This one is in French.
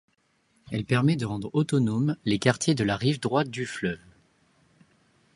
Elle permet de rendre autonomes les quartiers de la rive droite du fleuve.